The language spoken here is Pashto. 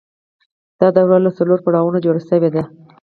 دا دوره له څلورو پړاوونو جوړه شوې ده